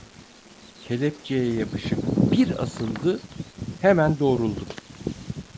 Kelepçeye yapışıp bir asıldı, hemen doğruldum.